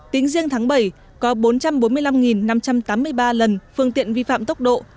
tính riêng tháng bảy có bốn trăm bốn mươi năm năm trăm tám mươi ba lần phương tiện vi phạm tốc độ